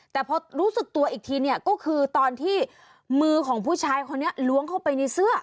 แต่พอรู้สึกตัวอีกทีเนี่ยก็คือตอนที่มือของผู้ชายคนนี้ล้วงเข้าไปในเสื้อ